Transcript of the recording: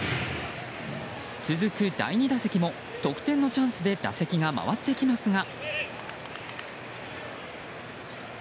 続く第２打席も得点のチャンスで打席が回ってきますが。